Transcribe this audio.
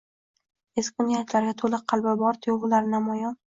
Ezgu niyatlarga toʻla qalbi bor tuygʻulari namoyon